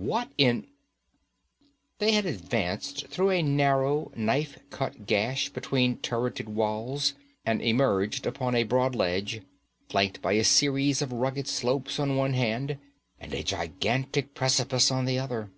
What in ' They had advanced through a narrow, knife cut gash between turreted walls and emerged upon a broad ledge, flanked by a series of rugged slopes on one hand, and a gigantic precipice on the other.